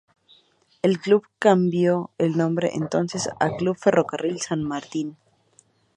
El club cambió el nombre entonces a "Club Ferrocarril San Martín".